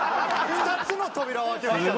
２つの扉を開けました。